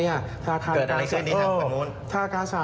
เกิดอะไรขึ้นทางกัน